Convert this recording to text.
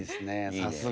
さすが。